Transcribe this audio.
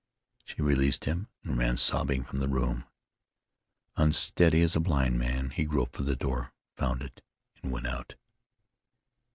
She released him, and ran sobbing from the room. Unsteady as a blind man, he groped for the door, found it, and went out.